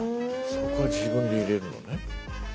そこ自分で入れるのね。